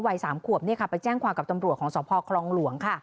วัย๓ขวบไปแจ้งความกับตำรวจของสพคลองหลวงค่ะ